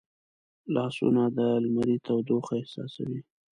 لاسونه د لمري تودوخه احساسوي